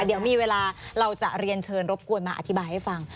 เดี๋ยวมีเวลาเราจะเรียนเชิญรบกวนมาอธิบายให้ฟัง